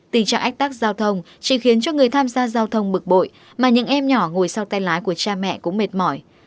tình trạng ách tắc giao thông chỉ khiến cho người tham gia giao thông bực bội mà những em nhỏ ngồi sau tay lái của cha mẹ cũng mệt mỏi